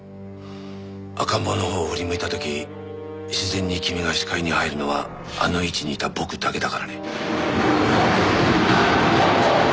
赤ん坊のほうを振り向いた時自然に君が視界に入るのはあの位置にいた僕だけだからね。